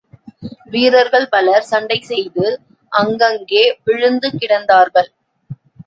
வீரர்கள் பலர் சண்டை செய்து, அங்கங்கே விழுந்து கிடந்தார்கள்.